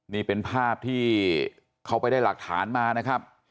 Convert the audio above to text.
นี่เป็นภาพที่เขาไปได้หลักฐานมานะครับ